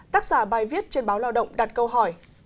tác giả bài viết trên báo lao động đặt câu hỏi